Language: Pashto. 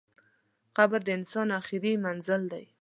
قبر د انسان اخري منزل دئ.